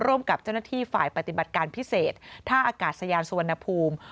ร่วมกับเจ้าหน้าที่ฝ่ายปฏิบัติการพิเศษท่าอากาศยานสุวรรณภูมิ